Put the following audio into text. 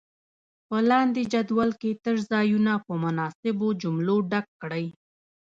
په لاندې جدول کې تش ځایونه په مناسبو جملو ډک کړئ.